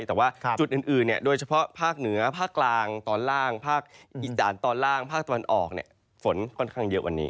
แต่ว่าจุดอื่นโดยเฉพาะภาคเหนือภาคกลางตอนล่างภาคอีสานตอนล่างภาคตะวันออกฝนค่อนข้างเยอะวันนี้